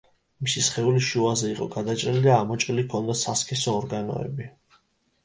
მისი სხეული შუაზე იყო გადაჭრილი და ამოჭრილი ჰქონდა სასქესო ორგანოები.